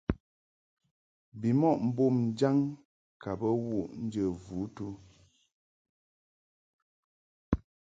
Bimɔʼ mbom jaŋ ka bə wuʼ njə vutu.